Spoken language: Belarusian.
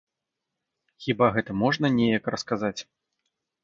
Хіба гэта можна неяк расказаць?